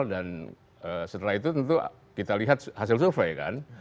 dan setelah itu tentu kita lihat hasil survei kan